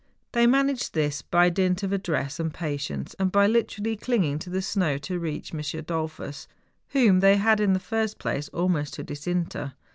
They managed this by dint of address and patience, and by literally clinging to the snow, to reach M. Dollfus, whom they had in the first place almost to disinter.